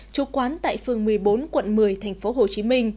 chủ quán tại phường một mươi bốn quận một mươi tp hcm